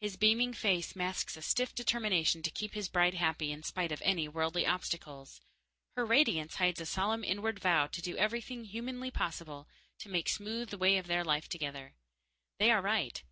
His beaming face masks a stiff determination to keep his bride happy in spite of any worldly obstacles. Her radiance hides a solemn inward vow to do everything humanly possible to make smooth the way of their life together. They are right.